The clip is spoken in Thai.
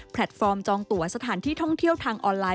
ฟอร์มจองตัวสถานที่ท่องเที่ยวทางออนไลน